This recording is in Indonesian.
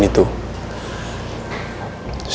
setelah enam bulan itu